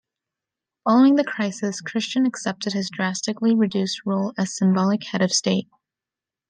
Following the crisis, Christian accepted his drastically reduced role as symbolic head of state.